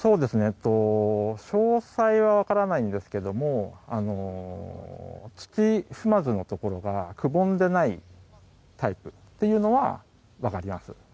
詳細は分からないんですが土踏まずのところがくぼんでいないタイプというのは分かります。